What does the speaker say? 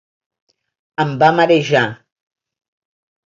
Em va marejar.